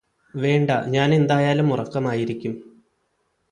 വേണ്ട ഞാനെന്തായാലും ഉറക്കമായിരിക്കും